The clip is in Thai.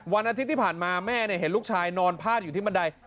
วันอาทิตย์ที่ผ่านมาแม่เห็นลูกชายนอนพาดอยู่ที่บันได